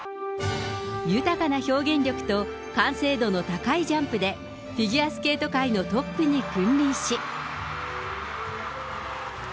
豊かな表現力と完成度の高いジャンプで、フィギュアスケート界のトップに君臨し。